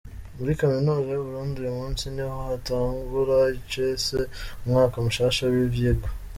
Muri kaminuza y'uburundi uyu munsi niho hatangura icese umwaka mushasha w'ivyigwa.